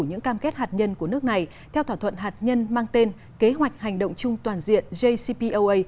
những cam kết hạt nhân của nước này theo thỏa thuận hạt nhân mang tên kế hoạch hành động chung toàn diện jcpoa